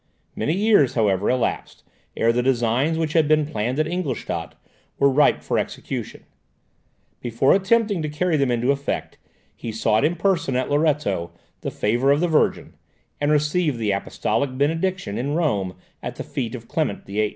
Many years, however, elapsed, ere the designs which had been planned at Ingolstadt were ripe for execution. Before attempting to carry them into effect, he sought in person at Loretto the favour of the Virgin, and received the apostolic benediction in Rome at the feet of Clement VIII.